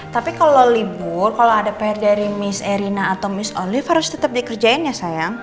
tapi kalau libur kalau ada pr dari miss erina atau miss olive harus tetap dikerjain ya sayang